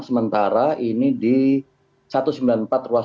sementara ini di satu ratus sembilan puluh empat ruas jalan